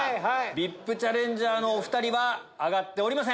ＶＩＰチャレンジャーのお２人は挙がっておりません。